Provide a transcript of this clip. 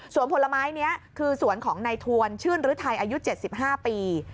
ส่วนผลไม้นี้คือสวนของนายทวนชื่นฤทัยอายุ๗๕ปี